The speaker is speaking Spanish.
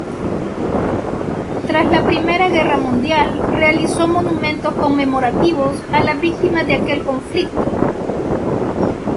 Tras la Primera Guerra Mundial, realizó monumentos conmemorativos a las víctimas de aquel conflicto.